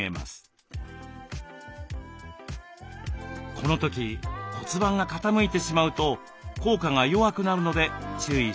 この時骨盤が傾いてしまうと効果が弱くなるので注意しましょう。